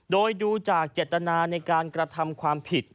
โดยดูจากเจตนาในการกระทำความผิด